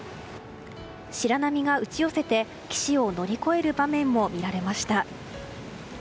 白波が打ち寄せて岸を乗り越える場面も見られました。